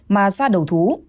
mà ra đầu thú